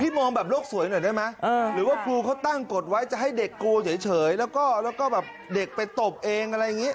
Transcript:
มองแบบโลกสวยหน่อยได้ไหมหรือว่าครูเขาตั้งกฎไว้จะให้เด็กกลัวเฉยแล้วก็แบบเด็กไปตบเองอะไรอย่างนี้